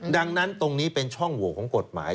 ดังนั้นตรงนี้เป็นช่องโหวของกฎหมาย